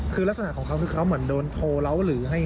คือลักษณะของเขาคือเขาเหมือนโดนโทรเล้าหรือให้